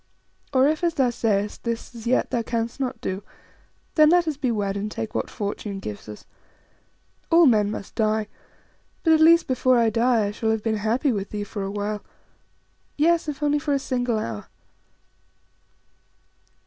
Or, if as thou sayest, this as yet thou canst not do, then let us be wed and take what fortune gives us. All men must die; but at least before I die I shall have been happy with thee for a while yes, if only for a single hour."